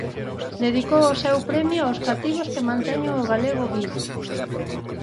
Dedicou o seu premio aos cativos que manteñen o galego vivo.